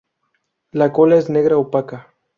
La cola es negra opaca.